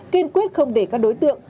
kênh quyết không để các đối tượng